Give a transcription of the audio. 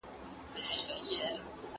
چي خوب کوي، د هغو د مېږو نرگټي زېږي.